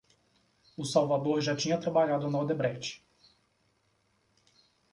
O Salvador já tinha trabalhado na Odebrecht.